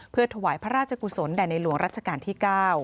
เพื่อถวายพระราชกุศลแด่ในหลวงรัชกาลที่๙